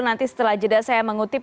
nanti setelah jeda saya mengutip